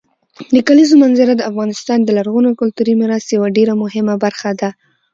د کلیزو منظره د افغانستان د لرغوني کلتوري میراث یوه ډېره مهمه برخه ده.